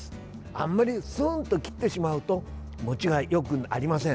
あんまりスンと切ってしまうと持ちがよくありません。